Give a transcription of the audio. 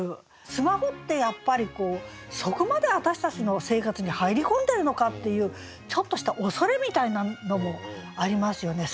スマホってやっぱりそこまで私たちの生活に入り込んでるのかっていうちょっとした恐れみたいなのもありますよね。